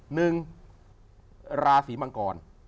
หนึ่งราศีมังกร